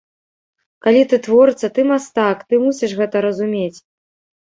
Калі ты творца, ты мастак, ты мусіш гэта разумець.